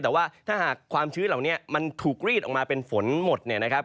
แต่ว่าถ้าหากความชื้นเหล่านี้มันถูกรีดออกมาเป็นฝนหมดเนี่ยนะครับ